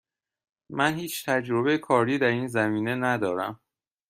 من هیچ تجربه کاری در این زمینه ندارم.